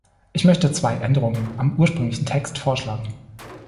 Ich möchte zwei Änderungen am ursprünglichen Text vorschlagen.